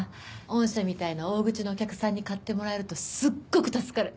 御社みたいな大口のお客さんに買ってもらえるとすっごく助かる。